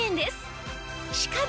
しかも。